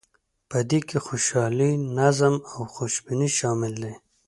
په دې کې خوشحالي، نظم او خوشبیني شامل دي.